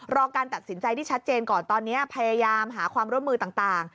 การตัดสินใจที่ชัดเจนก่อนตอนนี้พยายามหาความร่วมมือต่าง